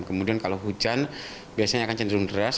kemudian kalau hujan biasanya akan cenderung deras